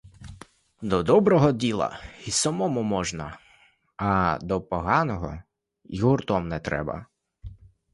До доброго діла й самому можна, а до поганого й гуртом не треба.